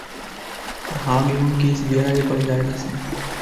হাগ এবং কিস বিয়ের আগে করা জায়েজ আছে।